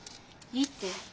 いいって。